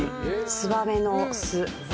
ツバメの巣。